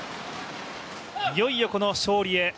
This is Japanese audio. いよいよ、勝利へ。